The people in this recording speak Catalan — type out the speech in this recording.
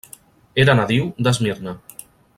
Era nadiu d'Esmirna.